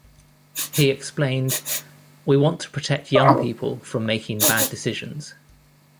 He explained, 'We want to protect young people from making bad decisions.